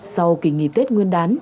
sau kỳ nghỉ tết nguyên đán